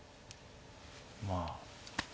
まあ。